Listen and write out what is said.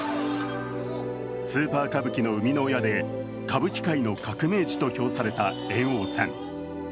スーパー歌舞伎の生みの親で歌舞伎界の革命児と評された猿翁さん。